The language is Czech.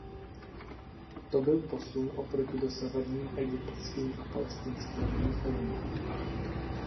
To byl posun oproti dosavadním egyptským a palestinským mnichům.